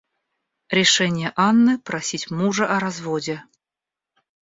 Решение Анны просить мужа о разводе.